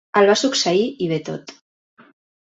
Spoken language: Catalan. El va succeir Yvetot.